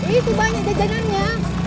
itu banyak jajanannya